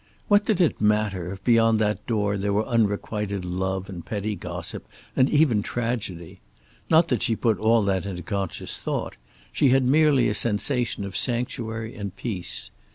What did it matter if, beyond that door, there were unrequited love and petty gossip, and even tragedy? Not that she put all that into conscious thought; she had merely a sensation of sanctuary and peace.